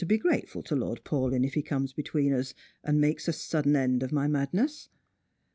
be grateful to Lord Paulyn if he comes between us, and makes a sudden end of my madness."